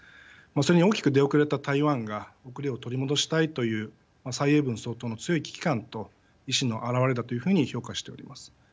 それに大きく出遅れた台湾が遅れを取り戻したいという蔡英文総統の強い危機感と意思の表れだというふうに評価しております。